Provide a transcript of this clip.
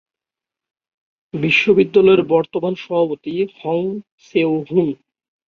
বিশ্ববিদ্যালয়টির বর্তমান সভাপতি হং সেও-হুন।